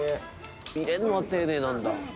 「入れるのは丁寧なんだ」